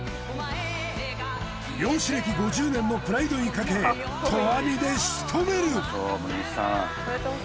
漁師歴５０年のプライドにかけ投網でしとめる。